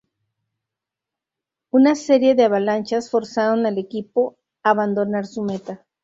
Una serie de avalanchas forzaron al equipo abandonar su meta.